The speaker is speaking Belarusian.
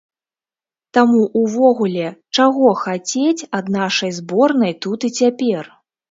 Таму ўвогуле, чаго хацець ад нашай зборнай тут і цяпер?